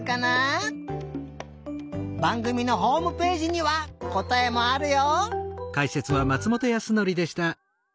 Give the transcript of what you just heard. ばんぐみのホームページにはこたえもあるよ！